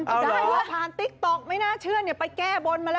ได้แล้วผ่านติ๊กต๊อกไม่น่าเชื่อไปแก้บนมาแล้ว